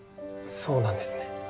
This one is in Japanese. そうなんですね。